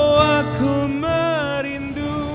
oh aku merindu